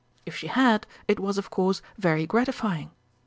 If she had, it was, of course very gratifying.